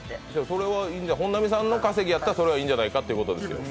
それは本並さんの稼ぎやったらいいんじゃないかってこと。